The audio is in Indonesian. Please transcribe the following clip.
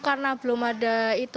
karena belum ada